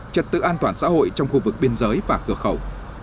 trật tự an toàn xã hội trong khu vực biên giới và cửa khẩu